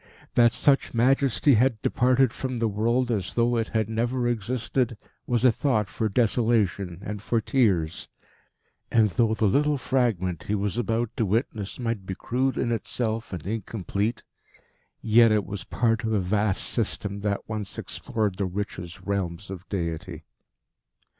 That such majesty had departed from the world as though it never had existed, was a thought for desolation and for tears. And though the little fragment he was about to witness might be crude in itself and incomplete, yet it was part of a vast system that once explored the richest realms of deity.